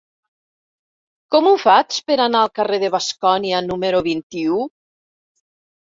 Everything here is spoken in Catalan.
Com ho faig per anar al carrer de Bascònia número vint-i-u?